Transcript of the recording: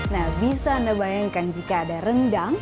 nah bisa anda bayangkan jika ada rendang